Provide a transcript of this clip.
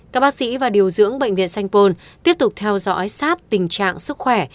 các bác sĩ và điều dưỡng bệnh viện sanh pôn tiếp tục theo dõi sát tình trạng sức khỏe